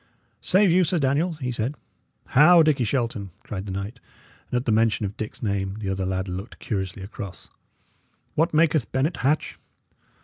"Save you, Sir Daniel," he said. "How! Dickie Shelton!" cried the knight; and at the mention of Dick's name the other lad looked curiously across. "What maketh Bennet Hatch?"